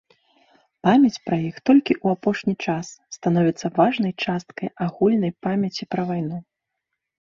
Памяць пра іх толькі ў апошні час становіцца важнай часткай агульнай памяці пра вайну.